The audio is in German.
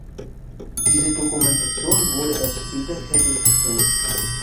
Diese Dokumentation wurde erst später fertiggestellt.